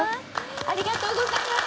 ありがとうございます。